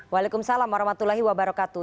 waalaikumsalam warahmatullahi wabarakatuh